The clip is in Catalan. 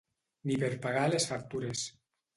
Ni per pagar les factures.